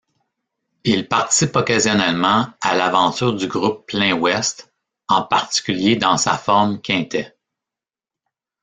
Il participe occasionnellement à l’aventure du groupe Pleinouest, en particulier dans sa forme quintet.